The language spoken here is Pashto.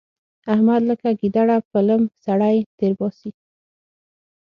احمد لکه ګيدړه په لم سړی تېرباسي.